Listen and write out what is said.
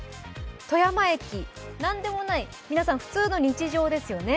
富山駅、何でもない、普通の日常ですよね。